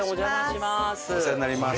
お世話になります。